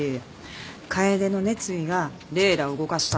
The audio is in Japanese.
楓の熱意がレイラを動かしたってこと。